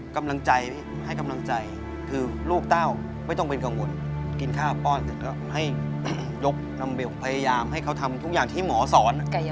กำลังใจให้กำลังใจคือลูกเต้าไม่ต้องเป็นกังวลกินข้าวป้อนเสร็จก็ให้ยกน้ำเบลพยายามให้เขาทำทุกอย่างที่หมอสอน